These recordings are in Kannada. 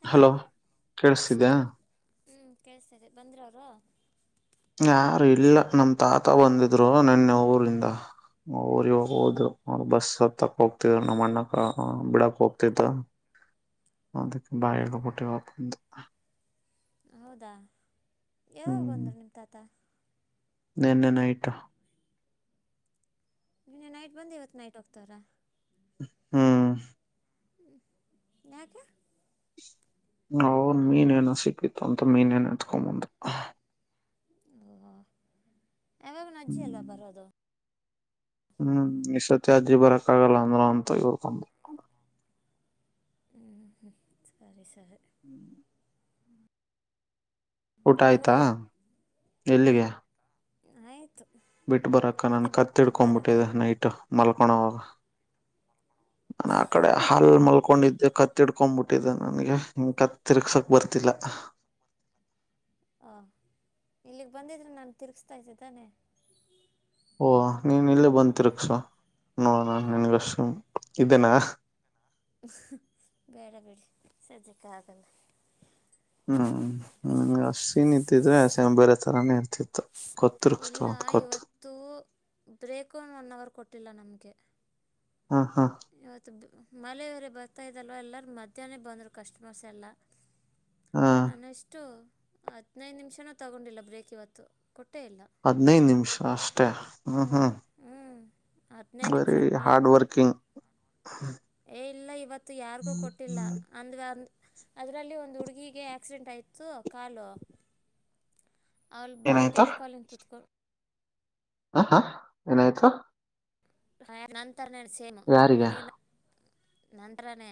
ಹಲೋ ಕೇಳಿಸ್ತಿದ್ಯಾ ಹ್ಮ್ ಕೇಳ್ತತೇರಿ ಬಂದ್ರ ಅವರು ಯಾರ ಇಲ್ಲ ನಮ್ ತಾತ ಬಂದಿದ್ರು ನನ್ನ ನ ಊರಿಂದ ನ ಊರಿಗೆ ಹೋಗ ಓ ಹೋದ್ರು ಬಸ್ ತಕ್ಕ ಹೋಗ್ತಿದ ನಮ್ಮ ಅಣ್ಣಕ್ ಬಿಡಕ್ ಹೋಗ್ತಿದ್ದ ಅದಕ್ಕೆ ಬಾಯ ಆಗಬಿಟ್ಟಿವವಪ್ಪಂತ ಹೌದಾ ಯಾವಾಗ ಬಂದರು ನಿಮ್ ತತ ನೆನ್ನೆ ನೈಟು ನೆನ್ನ ನೈಟ್ ಬಂದು ಇವತ್ತು ನೈಟ್ ಒಂತರ ಹ್ಮ್ ಯಾಕೆ ಅವನ್ ಮೀನ್ೇನ ಸಿಕ್ಕಿತ್ತು ಅಂತ ಮೀನೇನ್ ಎತ್ಕೊಂಬಂದ ಗವಾ ಯಾಗ ನಜ್ಜಿ ಅಲ್ಲವಾ ಬರ್ದು ಹ್ಮ್ ಇತ್ತ ಅಜ್ಜಿ ಬರಕ್ ಆಗಲ್ಲ ಅಂದ್ರ ಅಂತ ಇವರ್ಕೊಂಡು ಹ್ಮ್ ಹ್ಮ ಸರಿ ಸರಿ ಹ್ಮ್ ಊಟ ನೀನು ಆಯ್ತಾ ಹೋಗಿ ಎಲ್ಲಿಗೆ ಆಯ್ತು ಬಿಟ್ಟ ಬರಕ್ಕ ನನ್ ಬರೋಕ್ಕೆ ಕತ್ತಿಡ್ಕೊ್ಬಿಟ್ಟಿದೆ ನೈಟ್ ಮಲ್ಕ ಒಣ ನಾನ ಆ ಕಡೆ ಹಾಲ್ ಮಲ್ಕೊಂಡಿದ್ದೆ ಕತ್ತಿಡ್ಕೊಂಡ್ಬಿಟ್ಟು ಟ್ಟ ನನಗೆ ಹಿ ಕತ್ ತಿರ್ಗ್ಸ ವರ್ತಿಲ್ಲ ಾ ಇಲ್ಲಿಗೆ ಬಂದಿದ್ರೆ ನಾನು ತಿರ್ಗ್ಿಸತಾ ಇದ್ದೆ ತಾನೆ ಓ ನೀನ್ ಇಲ್ಲಿ ಬಂತ ತಿರುಕ್ಷಸ ಅನ್ನು ನನಗೆಷ್ಟ ಇದನಾ ಬೆಳ ಬೆಡಿಿ ಸ ಚಕ್ಕಾದಲ್ಲ ಹ್ಮ್ ಹ್ಮ್ ಅಷ್ಟನ್ ಇದ್ದಿದ್ರೆ ಬೇರೆ ತರಾನೇ ಇರ್ತಿ ಇಲ್ಲ ಇವತ್ತು ಬ್ರೇಕ್ನ್ ಒನ್ ಅವರ್ ಕೊಟ್ಟಿಲ್ಲ ನಮಗೆ ಹಾ ಹಾ ಮಳೆಯವರೆ ಬರ್ತಾ ಇದಲ್ವ ಎಲ್ಲರ ಮಧ್ಯಾಹ್ನನೆ ಬಂದ್ರು ಕಸ್ಟಮರ್ಸ್ ಎಲ್ಲ ಹಾ ನಾನು ಎಷ್ಟು ಹದ್ಿನೈದು ನಿಮಿಷನೂ ತಗೊಂಡಿಲ್ಲ ಬ್ರೇಕ್ ಇವತ್ತು ಕೊಟ್ಟೇ ಇಲ್ಲ ಹದ್ನೈದು ನಿಮಿಷ ಅಷ್ಟೇ ಹ್ಮ ಹ್ಞೂ ಹಾ ಹ್ಞೂ ಹದಿನೈದು ವೆರಿ ನಿಮಿಷನೂ ಇಲ್ಲ ಹಾರ್ಡ್ ವರ್ಕಿಂಗ್ ಇಲ್ಲ ಇವತ್ ಯಾರಿಗೂ ಕೊಟ್ಟಿಲ್ಲ ಅಂದ್ ಅದರಲ್ಲಿ ಒಂದು ಹುಡುಗಿಗೆ ಆಕ್ಸಿಡೆಂಟ್ ಆಯ್ತ್ ಕಾಲು ಅವ್ಳ ಬರೀಟೆಿಕಾಲಂಗ ಕುೂತ್ಕೊು ಹಾ ಹಾ ಏನಾಯ್ತ ಹ ನನ್ ತರಣ ಸೇಮ ಯಾರಿಗೆ ನನಗೆ ನಂತರನೇ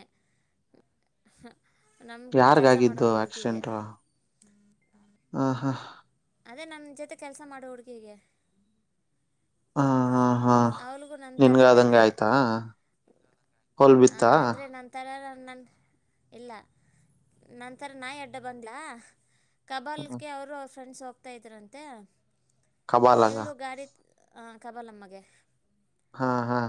ಯಾರ್ಗಗಿದ್ದು ಆಕ್ಸಿಡೆಂಟು ಹ ಹಾ ಅದೇ ನನ್ನ ಜೊತೆ ಕೆಲಸ ಮಾಡೋ ಹುಡುಗಗೆ ಹಾ ಹಾ ಹಾ ನಿನ್ಗದಂಗೆ ಥರನೇ ಆಯ್ತಾ ಹೊಲ್ ಬಿತ್ತಾ ನ [unintelligible] ಇಲ್ಲ ನಂತರ ನಾಯಿ ಅಡ್ಡ ಬಂದ್ಲಾ ಕಬಾಲ್ ಕೆ ಅವರು ಫ್ರೆಂಡ್ಸ್ ಹೋಗ್ತಾ ಇದ್ರಂತೆ ಕಬಾಲಾಗ ಇವ್ಳು [unintelligible] ಗಾಡಿ ಆ ಕಬಾಲಮ್ಮಗೆ ಹಾ ಹಾ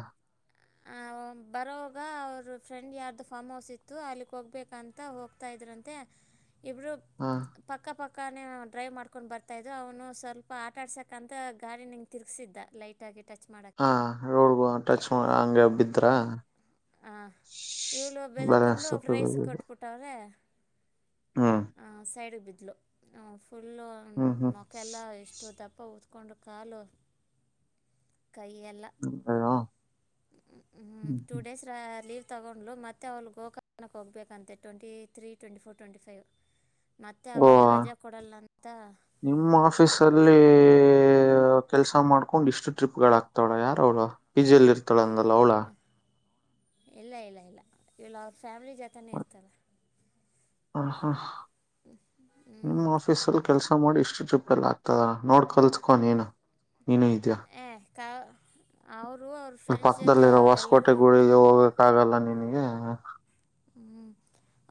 ಬರೋಗ ಅವ್ರ ಫ್ರೆಂಡ್ ಯಾರ್ದು ಫಾರ್ಮ್ ಹೌಸ್ ಇತ್ತು ಅಲ್ಲಿಗೆ ಹೋಗ್ಬೇಕಂತ ಹೋಗ್ತಾ ಇದ್ರಂತೆ ಇಬ್ಬರು ಹಾ ಪಕ್ಕ ಪಕ್ ಕನೆ ಡ್ರೈವ್ ಮಾಡ್ಕೊಂಡ್ ಬರ್ತಾ ಇದ್ರು ಅವನು ಸ್ವಲ್ಪ ಆಟ ಆಡ್ಸಕ್ ಅಂತ ಗಾಡಿನ ಇಂಗ್ ತಿರ್ಗ್ಸಿದ್ದ ಲೈಟ್ ಆಗಿ ಟಚ್ ಹ [unintelligible] ಟಚ್ ಮಾಡ ಹಂಗ ಬಿದ್ರ ಹ ಇವಳ ಬ್ಯಾಲೆನ್ಸ್ ಬೆದರ್ಕೊಂಡು ತಪ್ಪಿ ಫ್ರೈಸ್ ಬಿದ್ದಿದ್ದು. ಕಟ್ಬಿಟ್ಟವ್ರೆ ಹ್ಮ್ ಹ ಸೈಡ್ ಬ [unintelligible] [unintelligible] ಹ ಫುಲ್ಲು ಹ್ಮ್ ಹ್ಮ್ ಮಕ್ಕೆಲ್ಲ ಎಷ್ಟು ತಪ್ ಪತ್ಕೊಂಡು ಕಾಲು [unintelligible] ಹ್ಮ್ ಟೂ ಡೇಸ್ ರ ಲೀವ್ ತೊಗೊಂಡ್ಲು ಮತ್ತೆ ಅವ್ಳ ಗೋಕರ್ಣಕ್ಕೆ ಹೋಗ್ಬೇಕಂತೆ twenty three twenty four twenty five ಮತ್ತೆ ಓ ಅವಾಗ ರಜೆ ಕೊಡಲ್ಲ ಅಂತ ನಿಮ್ಮ ಆಫೀಸ ಅಲ್ಲಿ ಕೆಲ್ಸ ಮಾಡ್ಕೊಂಡ್ ಇಷ್ಟು ಟ್ರಿಪ್ಗೆಳಕ್ತಾವಳ ಯಾರ ಅವಳು ಪಿಜಲ್ಲಿ ಇರ್ತಾಳ ಅಂದಲ್ಲ ಅವಳ ಇಲ್ಲ ಇಲ್ಲ ಇಲ್ಲ ಇವಲಳ ಅವ್ರ ಫ್ಯಾಮಿಲಿ ಜೊತನೇ ಇರ್ತಳ ಹ ಹ ಹ್ಞೂ ನಿಮ್ಮ ಆಫೀಸಲ್ಲಿ ಕೆಲ್ಸ ಮಾಡಿ ಇಷ್ [unintelligible] ಟ್ರಿಪ್ ಎಲ್ಲ ಆಗ್ತದ ನೋಡ್ ಕಲ್ತ್ಕೊಂಡ ನೀನು ನೀನು ಇದ್ಯಾ ಏ ಕಾ ಅವರು ಅವ್ರ ಫ್ರೆಂಡ್ಸ್ ಜೊತೆ ಅವ್ರ ಎಲ್ಲರಿಗೂ ಕ್ಕ ಆಗಲ್ಲ ನಿನಗೆ ಹ್ಮ ಹ್ಮ್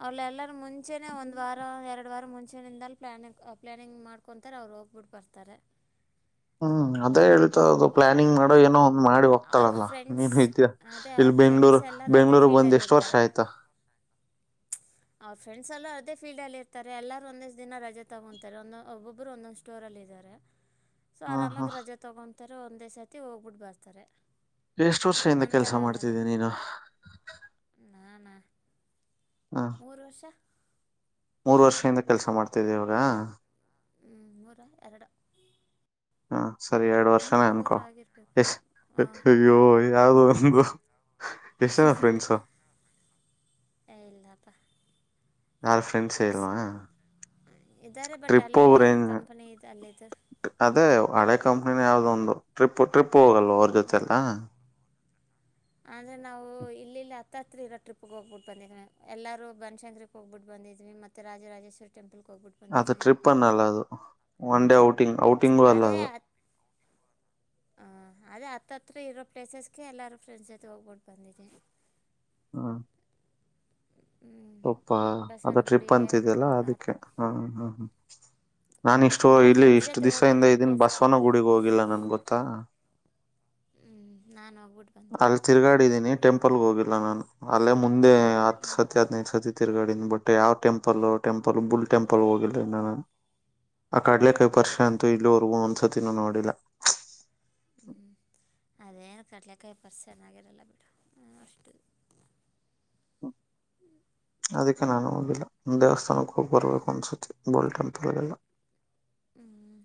ಅಲ್ಲೆಲ್ಲ ಮುಂಚೆನೆ ಒಂದ್ ವಾರ ಎರಡ ಎರಡು ವಾರ ಮುಂಚೆಯಿಂದಲ ಪ್ಲಾನಿಂಗ ಆ ಪ್ಲ್ಲಾನಿಂಗ್ ಮಾಡ್ಕೊತಾರೆ ಅವ್ರು ಹೋಗ್ಬಿಟ್ಟು ಬರ್ತಾರೆ. ಹ್ಮ್ [unintelligible] ಅದೇ ಹ್ಮ್ ಹೇಳ್ತದು [unintelligible] ಪ್ಲಾನಿಂಗ್ ಮಾಡೋ ಏನೋ ಮಾಡಿ ಅವ್ರ ಹೋಗ್ತಾಳಲ್ಲ ಫ್ರೆಂಡ್ಸ್ ನೀನು ಇದ ಅದೇ ಇಲ್ಲಿ ಅವ್ರ ಬೆಂಗ್ಳೂರ್ ಫ್ರೆಂಡ್ಸ್ ಎಲ್ಲರೂ ಅದೇ ಬೆಂಗ್ಳೂರು ಬಂದ ಫೀಲ್ಡಲ್ಲಿ ಎಷ್ಟ್ ವರ್ಷ ಇರ್ತಾರೆ ಆಯ್ತ. ಅವ್ರ ಫ್ರೆ್ ಎಲ್ಲೂ ಅದೇ ಫೀಲ್ಡಲ್ಲಿ ಇರ್ತಾರೆ ಎಲ್ಲರೂ ಒಂದೇ ದಿನ ರಜೆ ತಗೊತಾರೆ ಒಂದ ಒಬ್ಬೊಬ್ಬರು ಒಂದೊಂದು ಸ್ಟೋರಲ್ಲ ಇದಾರೆ. ಸೊ ಹ್ಮ್ ಹ್ಮ್ ಆರಾಮಾಗಿ ರಜೆ ತೊಗೊಂಡ. ತರ ಒಂದೇ ಸರ್ತಿ ಹೋಗ್ಬಿಟ್ಟ ಬರ್ತಾರೆ. ಎಷ್ಟು ವರ್ಷದಿಂದ ನನ್ನ ಕೆಲ್ಸ ಥರ ಅಲ್ಲಲ್ಲ ಮಾಡ್ತಿದ್ದೀ ನೀನು. ನಾನಾ ಮೂರು ವರ್ಷ. ಮೂರು ವರ್ಷದಿಂದ ಕೆಲಸ ಮಾಡ್ತಿದ್ದವಾಗ. ಹ್ಮ್ ನೂರ ಎರಡು. ಹಾ. ಸರಿ ಎರಡು ಹ್ಞೂ ವರ್ಷನೇ ಮೂರು ಅನ್ಕೊ ಆಗಿರಬೇಕಂದು ಎಷ್ಟ ಹಾಂ ಅಯ್ಯೋ ಯಾವ್ದು ಅನ್ಗೋ. ಎಲ್ಲ. ಯಾರು ಫ್ರೆಂಡ್ಸ್ಲ್ಲವಾ ಇದ್ದಾರೆ ಬಟ್ ಟ್ರಿಪ್ಪ ಅಲ್ಲೇ ಕಂಪನಿ ಇದು ಅಲ್ಲಿದ್ದು ಅ ಅಡಕಂ ಯಾವದ ಒಂದು ಟ್ರಿಪ್ ಟ್ರಿಪ್ ಹೋಗಲ್ವ ಅವ್ರ ಜೊತೆಲ್ಲ ಅಂದ್ರೆ ನಾವು ಇಲ್ಲಿಲ್ಲಿ ಹತ್ತ ಹತ್ರಿ ಇರೋ ಟ್ರಿಪ್ಗೆ ಹೋಗ್ಬಿಟ್ಟು ಬಂದಿದ್ ಎಲ್ಲಾರೂ ಬನಶಂಕರಿ ಹೋಗ್ಬಿಟ್ಟು ಬಂದಿದ್ವಿ ಮತ್ತೆ ರಾಜರಾಜೇಶ್ವರಿ ಟೆಂಪಲ್ ಅದು ಟ್ರಿಪ್ಪಾ ನಲ್ಲ ಅದು ಒನ್ ಡೇ ಔಟ್ ಟಿಂಗ್ ಔಟಿಂಗ್ಗಳು ಅಲ್ಲ ಅ ಹ ಅದೇ ಹತ್ತತ್ರ ಇರೋ ಪ್ಲೇಸಸ್ಗೆ ಎಲ್ಲಾರೂ ಫ್ರೆಂಡ್ಸ್ ಜೊತೆ ಹೋಗ್ಬಿಟ್ಟು ಬಂದಿದೆ ಹಾ ತಪ್ಪಾ ಅದ ಬಸವನ ಟ್ರಿಪ್ ಗುಡಿಗೆ ಅಂತಿದ್ಯಲ್ಲಾ ಅದು ಅದಕ್ಕೆ ಹಾ ಹ್ಮ್ ಹ್ಮ್ ನಾನ ಇಷ್ಟು ಎಲ್ಲ ಇಲ್ಲಿ ಫ್ರೆಂಡ್ಸ್ ಇಷ್ಟು ಜೊತೆ ದಿವ್ ಇಿಂದ ಹೋಗಿರೋದು ಇದನ್ ಪ್ಲೇಸು ಬಸ್ವನ ಗುಡಗ್ ಹೋಗಿಲ್ಲ ನನ್ ಗೊತ್ತಾ ಹ್ಮ್ ನಾನ ಅಲ್ಲಿ ತಿರ್ಗಾಡಿದೀನಿ ಟೆಂಪಲ್ ಹೋಗಿಲ್ಲ ನಾನು ಅಲ್ಲೇ ಮುಂದೆ ಹತ್ತು ಸತಿ ಹದಿನೈಂದು ಸತಿ ತ್ತಿರ್ಗಾಿಂದ ಬಟ್ ಯಾವ್ ಟೆಂಪಲ್ ಟೆಂಪಲ್ ಬುಲ್ ಟೆಂಪಲ್ ಹೋಗಿರ್ ನಾನು ಆ ಕಾಡ್ಲೆ ಹ್ಞೂ ಕೈ ಪರ್ಷ ಅಂತು ಇಲ್ಲಿೋರ್ಗ ಅನ್ಸುತ್ತೆ ತಿನ್ನ ನೋಡಿಲ್ಲ ಹ್ಮ್ ಅದೇ ಕಡ್ಲೆಕಾಯಿ ಪರ್ಸ್ ಚೆನ್ನಾಗಿರಲ್ಲ ಬಿಡು ಅಷ್ಟ ಅದಕ್ಕೆ ನಾನು ಹೋಗಿಲ್ಲ ಒ ದೇವಸ್ಥಾನಕ್ಕೆ ಹೋಗ್ ಬರ್ಬೇಕು ಅನ್ಸತಿ ಗೋಲ್ಡ್ ಟೆಂಪುಲ್ಗಳಲ್ಲ ಹ್ಮ್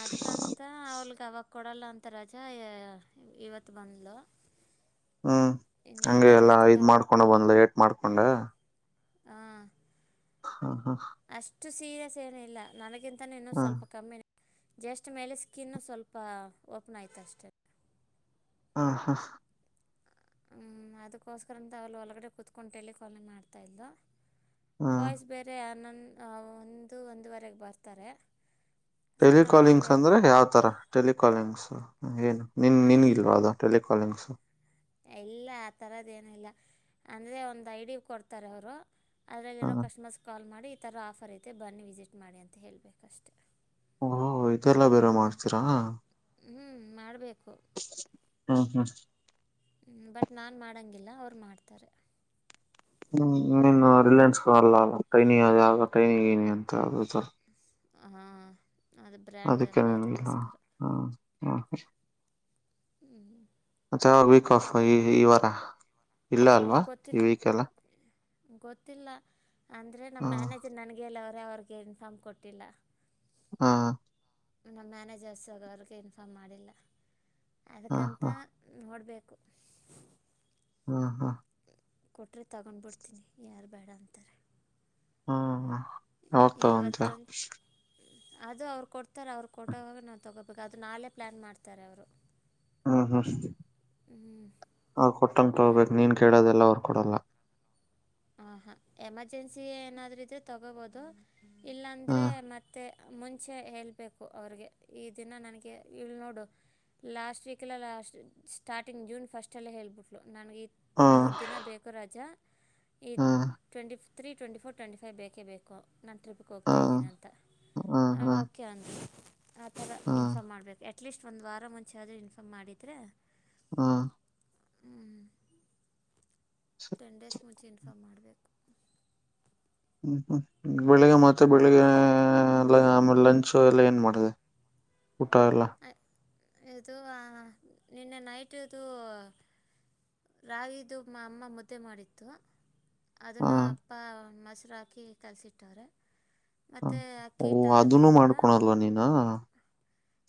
ಅದ್ಕಂತ ಅವಳಗ ಅವ ಕೊಡಲ್ಲ ಅಂತ ರಜಾ ಇವತ್ತು ಬಂದಲು ಹ್ಮ್ ಹಗೆ ಎಲ್ಲಾ ಇದ್ ಅಲ್ಲು ಮಾಡ್ಕೊಂಡ ಬಂದ್ ಏಟ್ ಮಾಡ್ಕೊಂಡ ಹಾ ಹ್ಮ ಹಾ ಅಷ್ಟು ಸೀರಿಯಸ್ ಏನೂ ಇಲ್ಲ ನನಗಿಂತ ಇನ್ನು ಹ ಸ್ವಲ್ಪಮ್ಮಿ ಜಸ್ಟ್ ಮೇಲೆ ಸ್ಕಿನ್ ಸ್ವಲ್ಪ ಓಪನ್ ಆಯ್ತ ಅಷ್ಟೆ ಹಾ ಹಾ ಹ ಅದಕ್ಕೋಸ್ಕರಂತ ಅವಲ್ಲಿ ಒಳಗಡೆ ಕುೂತ್ಕಂಟಿ ಕೊಲೆ ಮಾಡ್ತಾ ಇದವು ಹಾ ಬಾಯ್ಸ್ ಬೇರೆ ಆನಂದ ಆ..... ಒಂದು ಒಂದೂವರೆಗೆ ಬರುತ್ತಾರೆ. ಟೆಲಿಕಾಲಿಂಗ್ಸ್ ಅಂದ್ರೆ ಯಾವ್ತರ ಟೆಲಿಕಾಲಿಂಗ್ಸ್ ಏನು ನಿನ್ ನಿನ್ಗಿಲ್ವಾ ಅದು ಟೆಲಿಕಾಲಿಂಗ್ಸ ಎಲ್ಲ ಆ ತರದ ಏನಿಲ್ಲ ಅಂದ್ರೆ ಒಂದು ಐಡಿ ಕೊಡ್ತಾರೆ ಅವರು ಅದ್ರಲ್ಲಿ ಇರೋ ಹ ಕಸ್ಟಮರ್ಸ್ ಕಾಲ್ ಮಾಡಿ ಥರ ಆಫರ್ ಐತೆ ಬನ್ನಿ ವಿಸಿಟ್ ಮಾಡಿ ಅಂತ ಹೇಳಳ್ಬೇಕಷ್ಟೆ ಹೋ ಇದೆಲ್ಲ ಬೇರೆ ಮಾಡ್ತೀರಾ ಮಾಡ್ಬೇಕು ಹ್ಮ ಹಾ ಬಟ್ ನಾನು ಮಾಡಂಗಿಲ್ಲ ಅವ್ರು ಮಾಡ್ತಾರೆ ಹ್ಮ್ ಇನ್ನು ರಿಲಯನ್ಸ್ ಅಲ್ಲ ಅಲ್ಲಾ ಟ್ರೈನಿಂಗ್ ಅದ್ಯಾವುದೋ ಟ್ರೈನಿ ಗಿನಿ ಅಂತ ಅ ಸರ್ ಹಾ ಅದಕ್ಕೆನಲ್ಲ ಹ್ಮ ಹಾ ಹ್ಮ್ ಹ್ಮ ಮತ್ತೆ ವೀಕ್ ಆಫ್ ಈ ಈ ವಾರ ಇಲ್ಲ ಇನ್ನುೂ ಅಲ್ವಾ ಈ ಗೊತ್ತಿಲ್ಲ ವೀಕ್ ಎಲ್ಲ ಗೊತ್ತಿಲ್ಲ ಅಂದ್ರೆ ನಮ್ಮ ಹಾ ಮ್ಯಾನೇಜರ್ ನನ್ಗೆ ಹೇಳವರೇ ಡ್ರೈವರಿಗೆ ಇನ್ಫಾರ್ಮ್ ಕೊಟ್ಟಿಲ್ಲ ಹಾ ನಮ್ಮ ಮ್ಯಾನೇಜರ್ಸ್ ಅವ್ರಿಗೆ ಇನ್ಫಾರ್ಮ್ ಮಾಡಿಲ್ಲ ಹಾ ಅದ್ಕಂತ ಹಾ ನೋಡ್ಬೇಕು ಹಾ ಹಾ ಕೊಟ್ರೆ ತಗೊಂಡ್ಬಿಡ್ತೀನಿ ಯಾರು ಬೇಡ ಅಂತಾರೆ ಹಾ ಯಾವ್ದು ತಗೊಂತಿಯ ಇವತ್ತೊಂದು ಅದು ಅವ್ರು ಕೊಡ್ತಾರೆ ಅವ್ರು ಕೊಟ್ಟವಾಗ ನಾವು ತೊಗೋಬೇಕು ಅದು ನಾಳೆ ಪ್ಲ್ಯಾನ್ ಮಾಡ್ತಾರೆ ಅವರು ಹ್ಮ್ ಹ ಹ ಹ್ಞೂ ಅವ್ರ್ ಕೊಟ್ಟನ್ ತಗಬೇಕಕ್ ನೀನ್ ಕೇಳೋದೆಲ್ಲ ಅವರು ಕೊಡಲ್ಲ ಆ ಹಾ ಎಮರ್ಜೆನ್ಸಿ ಏನಾದ್ರರು ಇದ್ರೆ ತಗೋಬಹದು ಹಾ ಇಲ್ಲಾಂದ್ರೆ ಮತ್ತೆ ಮುಂಚೆ ಹೇಳಬೇಕು ಅವ್ರಿಗೆ ಈ ದಿನ ನನಗೆ ಇಲ್ಲಿ ನೋಡು ಲಾಸ್ಟ್ ವೀಕಲ್ಲ ಲಾಸ್ಟ್ ಸ್ಟಾರ್ಟಿಂಗ್ ಜೂನ್ ಫಸ್ಟಲ್ಲೇ ಹೇಳ್ಬಿಟ್ಲು ನನಗೆ ಹಾ ಮೂರು ದಿನ ಬೇಕು ರಜಾ ಹಾ ಟ್ವೆಂಟಿ ತ್ರೀ ಟ್ಂಟ ಫೋ ಟ್ವೆಟಿ ೈವ ಬೇಕೇ ಬೇಕು ನಾನು ಟ್ರಿಪ್ಿಗೆ ಹಾ ಹೋಗ್ತಾಯ ಇದ್ದೀನಿ ಅಂತ ಹಾ ಹಾಂ ಹಾ ಓಕೆ ಅಂದ ಆ ಅದ ಹಾ ಇನ್ಫ್ಮ್ ಮಾಡಬೇಕು ಅಟ್ಲೀಸ್ಟ್ ಒಂದು ವಾರ ಮುಂಚೆರೆ ಇನ್ಫಾರ್ಮ್ ಮಾಡಿದರೆ ಹಾ [inaudible] ಸ- ಟೆನ್ ಡೇಸ್ ಮುಂಚೆ ಇನ್ಫಾರ್ಮ್ ಮಾಡಬೇಕು.. ಹ್ಮ ಹ್ಮ ಹ್ಮ ಬೆಳಿಗ್ಗೆ ಮತ್ತೆ ಬೆಳಿಗ್ಗೆ ಎ ಆ ಮೇಲೆ ಲಂಚ್ ಎಲ್ಲ ಎನ್ನ ಮಾಡಿದೆ ಊಟ ಎಲ್ಲ ಇದು ಆ ನಿನ್ನೆ ನೈಟದುು ರಾಗಿದು ಮಾ ಅಮ್ಮ ಮುದ್ದೆ ಮಾಡಿತ್ತು.. ಹಾ ಅದನಾ ಅಪ್ಪಾ ಮಸ್ತಿ ರಾಕಿ ಕಲಸಿಟ್ಟಾರೊ ಹ ಓ ಅದನು ಮಾಡ್ಕೊಳಲ್ವಾ ನೀನು.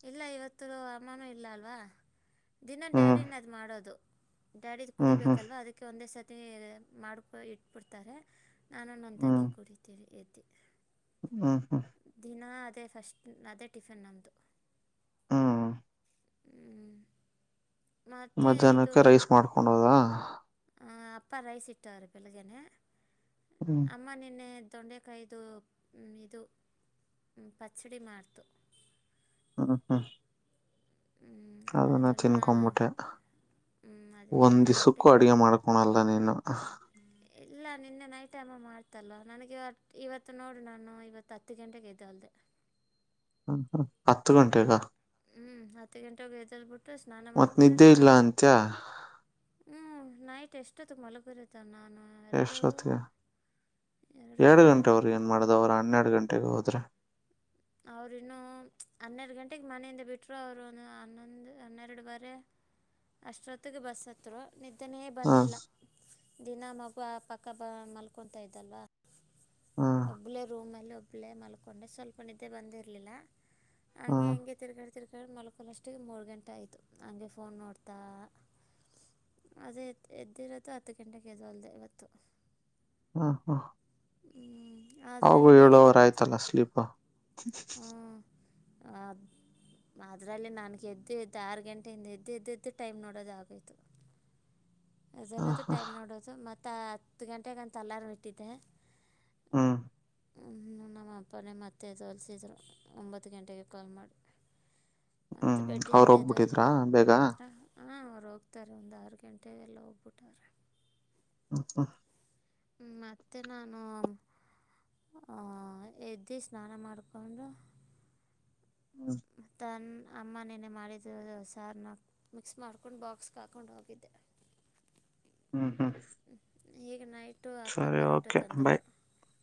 ಇಲ್ಲ ಇವತ್ತು ಅಮ್ಮನೂ ಇಲ್ಲ ಅಲ್ವಾ ದಿನ ಹ್ಮ್ ಡ್ಯಾಡಿನ ಅದು ಮಾಡೋದು ಡ್ಯಾಡಿದ ಹ್ಮ್ ಹ್ಮ್ ಕುಡಿಬೇಕಲ್ವಾ ಅದಕ್ಕೆ ಒಂದೇ ಸತಿ ಮತ್ತೆ ಮಾಡಕ್ ಇಟ್ಬಿಡ್ತಾರೆ ನಾನು ನನ್ನ ತಂಗಿ ಕೊಡಿ ತಿವಿ ಹ್ಮ ಹ್ಮ ಮತ್ತು ಫಸ್ಟ್ ಅದೇ ಟಿಫಿನ್ ನಮ್ಮದು ಹ್ಮ ಹ್ಮ ಮತ್ತು ಮಧ್ಯಾಹ್ನಕ್ಕೆ ರೈಸ್ ಮಾಡ್ಕೊಂಡೋದಾ. ಹ ಅಪ್ಪಾ ರೈಸ್ ಇಟ್ಟಾರ ಬೆಳ್ಳಗೆ ನೆ ಹ್ಮ್ ಅಮ್ಮ ನಿನ್ನೆದ ತೊಂಡೆಕಾಯ್ದು ಇದು ಪಚ್ಚಡಿ ಮಾಡತು ಹ್ಮ ಹ್ಮ ಅದನ್ನ ಅದನ್ನು ತಿನ್ಕೊಂಬಿಟ್ಟೆ ಅದೇ ಒಂದ್ ತಿನ್ಕೊಂಡ್ಬಿಟ್ಟೆ ದಿಸ್ಕ್ಕೂ ಅಡ್ಗೆ ಮಾಡ್ಕೊಳಲ್ಲ ನೀನು. ಇಲ್ಲ ನಿನ್ನೆ ನೈಟ್ ಅಮ ಮಾಡ್ತಲ್ವ ನನಗೆ ಇವತ್ತು ಇವತ್ತು ನೋಡಿ ನಾನು ಇವತ್ತು ಹತ್ತು ಗಂಟೆಗೆ ಎದ್ದೇಲ್ದೆ ಹ ಹ ಹತ್ತು ಗಂಟೆಗಾ ಹ್ಮ್ ಹತ್ ಗಂಟೆಗ ಬೆದಲ್ ಬುಟ್ಟ ಬಿಟ್ಟು ಸ್ನಾನ ಮತ್ ಮಾಡ್ಕೊಂಡಾರ ನಿದ್ದೆ ಇಲ್ಲ ಅಂತ್ಯ ಹ್ಮ್ ನೈಟ್ ಎಷ್ಟತ್ತು ಮಾಲಗಿರೋದಾ ನಾ ಎಷ್ಟೊತ್ತಿಗೆ ಎರಡು ಗಂಟೆಯವರಿಗೆ ಏನ್ ಮಾಡ್ದ ಅವ್ರ ಹನ್ನೆರಡು ಗಂಟೆಗೆ ಹೋದ್ರೆ. ಅವರು ಇನ್ನೂ ಹನ್ನೆರಡು ಗಂಟೆಗೆ ಮನೆಯಿಂದ ಬಿಟ್ರು ಅವ್ರೂನು ಒಂದ ಹನ್ನೊಂದು ಹನ್ನೆರಡು ವರೆ ಅಷ್ಟೊತ್ತಿಗೆ ಬಸ್ ಹತ್ತರು. ನಿದ್ದೆನೆ ಹ ಬಂದಿಲ್ಲ ದಿನಾ ಮಗುವ ಪಕ್ಕ ಬ ಮಲ್ಕೊಂತ ಆಯ್ತಲ್ವಾ ಹ ಒಬ್ಬಲೆ ರೂಮ್ನಲ್ಲ ಓ ಓಬ್ಳಲೆ ಮಲ್ಕೊಂಡೆ ಸ್ವಲ್ಪ. ನಿದ್ದೆ ಬಂದಿರಲಿಲ್ಲ. ಹ ಹಂಗೆ ಹೆಂಗೆ ತಿರ್ಗ. ತಿರಗಳ ಮಲ್ಕಲ್ಲಷ್ಟಿಗೆ ಮೂರ ಗಂಟೆ ಆಯಿತು ಹಂಗೆ ಫೋನ್ ನೋಡ್ತಾ ಅದೇ ಎದ್ದಿರೋದು ಹತ್ತು ಗಂಟೆಗೆ ಎದ್ದೋಳ್ದೆ ಇವತ್ತು. ಹಾ ಹಾ ಅವು ಅದರಲ್ಲಿ ಬೇರೆ ಏಳು ವರೆ ಇವತ್ತು ಆಯ್ತಲ್ಲ ಸ್ಲೀಪು ಆ ಅದರಲ್ಲಿ ನನಗೆ ಎದ್ದಿದ್ದು ಆರ್ ಗಂಟೆಯಿಂದ ಎದ್ದು ಎದ್ದು ಎದ್ದು ಟೈಮ್ ನೋಡೋದ ಆಗೋಯ್ತು ಹ ಎದ್ದೇಳೋದು ಹ ಟೈಮ್ ನೋಡೋದು ಮತ್ ಆ ಹತ್ ಗಂಟೆಗಂತ ಅಲರಾಮ ಇಟ್ಟಿದ್ದೆ ಹಾ ನಮ್ಮ ಅಪ್ಪನೇ ಮತ್ತೆ ಎದ್ದೋಳಸಿದ್ರು ಒಂಬತ್ ಗಂಟೆಗೆ ಕಾಲ್ ಮಾಡಿ ಮತ್ತು ಹ್ಮ್ ಅವ್ರ ಬೆಡ್ಡಿಂದ ಹೋಗ್ಬಿಟ್ಟಿದ್ರಾ ಎದ್ದೇಳಲಿಲ್ಲ ಬೇಗ ಹಾಂ ಅವ್ರು ಹೋಗ್ತಾರೆ ಒಂದು ಆರ ಗಂಟೆಗೆಲ್ಲ ಹೋಗ್ಬಿಟ್ಟಾರೆ ಹ ಹಾ ಮತ್ತೆ ನಾನು ಅ ಎದ್ದಿ ಸ್ನಾನ ಮಾಡಕೊಂಡು ಹ್ಮ ತನ್ನ ಅಮ್ಮ ನೆನ್ನೆ ಮಾಡಿದ್ದ ಸಾರನ್ನ ಮಿಕ್ಸ್ ಮಾಡ್ಕೊಂಡು ಬಾಕ್ಸ್ಗೆ ಹಾಕೊಂಡು ಹೋಗಿದ್ದೆ ಹ್ಮ್ ಹ್ಮ್ ಈಗ ನೈಟ್ ಟು ಅಪ್ಪ ಸರಿ ಪರೋಟೆ ಓಕೆ ಬಾಯ್ ತಂದ್ರು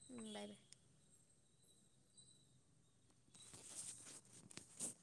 ಭಾಯಿ